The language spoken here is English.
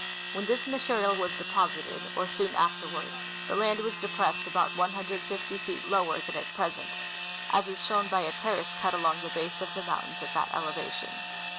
When this material was deposited, or soon afterward, the land Avas depressed about 150 feet lower than at present, as is shown by a terrace cut along the base of the mountains at that elevation.